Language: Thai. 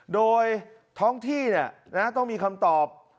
โดยท้องที่ต้องมีคำตอบ